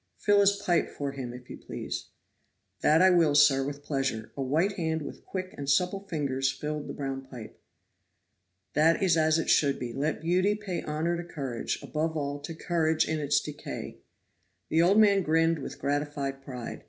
"Fill his pipe for him, if you please." "That I will, sir, with pleasure." A white hand with quick and supple fingers filled the brown pipe. "That is as it should be. Let beauty pay honor to courage; above all to courage in its decay." The old man grinned with gratified pride.